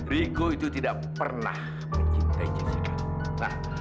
riku itu tidak pernah mencintai jessica